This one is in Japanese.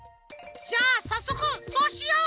じゃあさっそくそうしよう！